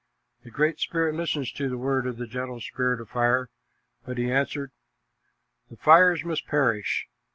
The Great Spirit listened to the words of the gentle Spirit of Fire, but he answered, "The fires must perish.